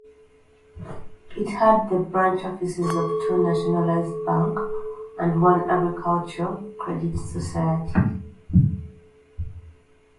It had the branch offices of two nationalised bank and one agricultural credit society.